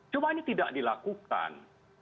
cuma ini tidak dilakukan